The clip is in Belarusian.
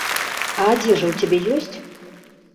А адзежа ў цябе ёсць?